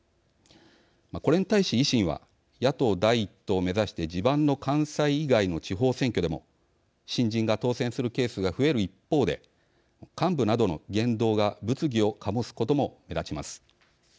これに対し、維新は野党第１党を目指して地盤の関西以外の地方選挙でも新人が当選するケースが増える一方で幹部などの言動が物議を醸すことも目立ちます。